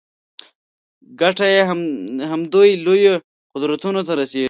ګټه یې همدوی لویو قدرتونو ته رسېږي.